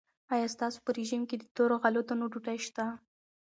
آیا ستاسو په رژیم کې د تورو غلو دانو ډوډۍ شته؟